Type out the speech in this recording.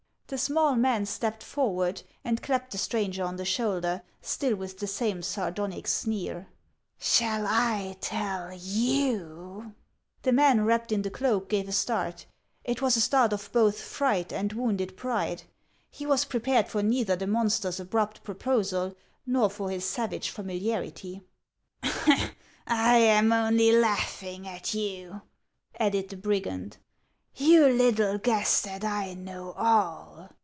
The small man stepped forward and clapped the stranger on the shoulder, still with the same sardonic sneer. " Shall I tell you ?" The man wrapped in the cloak gave a start ; it was a start of both fright and wounded pride. He was pre pared for neither the monster's abrupt proposal, nor for his savage familiarity. HANS OF ICELAND. 287 " I am only laughing at you," added the brigand. " You little guess that I know all.